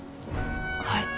はい。